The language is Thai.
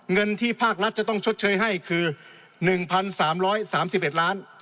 เงินที่ภาครัฐจะต้องชดเชยให้คือ๑๓๓๑ล้าน